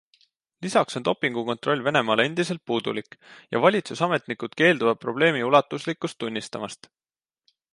Lisaks on dopingukontroll Venemaal endiselt puudulik ja valitsusametnikud keelduvad probleemi ulatuslikkust tunnistamast.